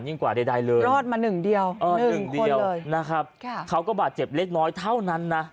กว่าใดเลยรอดมาหนึ่งเดียวเออหนึ่งเดียวนะครับค่ะเขาก็บาดเจ็บเล็กน้อยเท่านั้นนะ